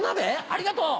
ありがとう！